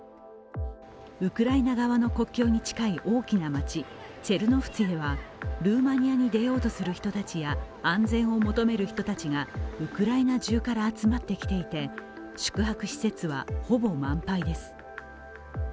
ウクライナ側の国境に近い大きな街、チェルノフツィではルーマニアに出ようとする人たちや安全を求める人たちがウクライナ中から集まってきていて宿泊施設は、ほぼ満杯です。